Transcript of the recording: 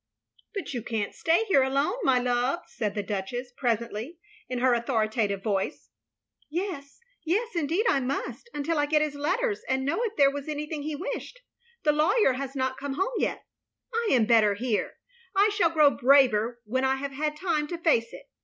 " But you can't stay here alone, my love, " said the Duchess presently, in her authoritative voice. " Yes, yes, indeed I must ; until I get his letters, and know if there was anything he wished — The lawyer has not come home yet. I am better here. I shall grow braver when I have had time to face it.